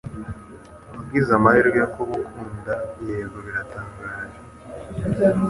wagize amahirwe yo kuba ukunda Yego biratangaje